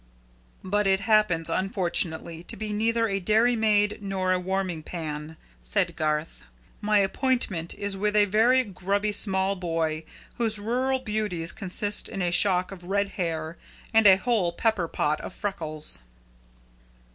"But it happens, unfortunately, to be neither a dairy maid nor a warming pan," said Garth. "My appointment is with a very grubby small boy, whose rural beauties consist in a shock of red hair and a whole pepper pot of freckles."